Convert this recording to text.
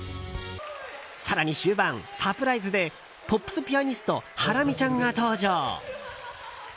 更に終盤、サプライズでポップスピアニストハラミちゃんが登場。